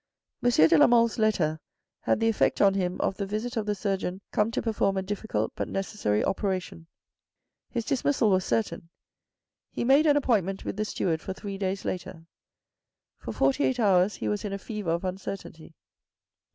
M. de la Mole's letter had the effect on him of the visit of the surgeon come to perform a difficult but necessary operation. His dismissal was certain. He made an appointment with the steward for three days later. For forty eight hours he was in a fever of uncertainty.